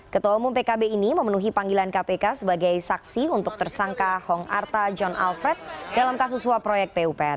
ketua umum pkb ini memenuhi panggilan kpk sebagai saksi untuk tersangka hong arta john alfred dalam kasus suap proyek pupr